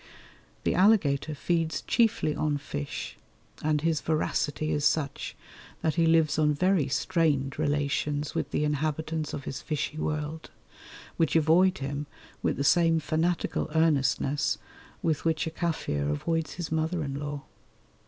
The alligator feeds chiefly on fish, and his voracity is such that he lives on very strained relations with the inhabitants of his fishy world, which avoid him with the same fanatical earnestness with which a Kaffir avoids his mother in law.